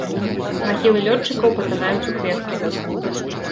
Магілы лётчыкаў патанаюць у кветках.